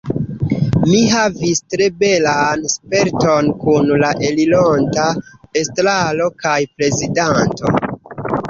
Mi havis tre belan sperton kun la elironta Estraro kaj Prezidanto.